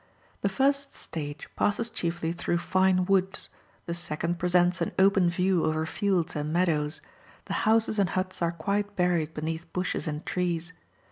The first stage passes chiefly through fine woods, the second presents an open view over fields and meadows; the houses and huts are quite buried beneath bushes and trees.